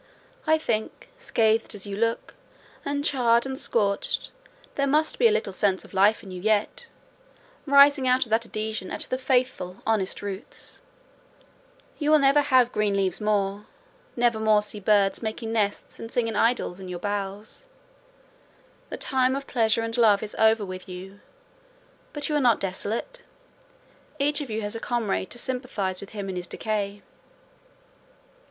"I think, scathed as you look, and charred and scorched, there must be a little sense of life in you yet, rising out of that adhesion at the faithful, honest roots: you will never have green leaves more—never more see birds making nests and singing idyls in your boughs; the time of pleasure and love is over with you: but you are not desolate: each of you has a comrade to sympathise with him in his decay."